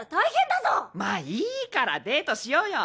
まあいいからデートしようよ。